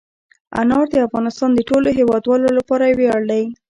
انار د افغانستان د ټولو هیوادوالو لپاره یو ویاړ دی.